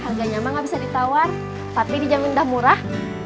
harganya nggak bisa ditawar tapi dijamin dah murah